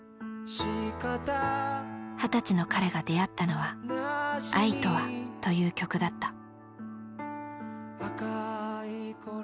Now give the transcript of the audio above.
二十歳の彼が出会ったのは「あいとわ」という曲だった。